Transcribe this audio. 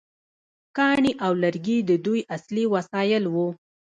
کاڼي او لرګي د دوی اصلي وسایل وو.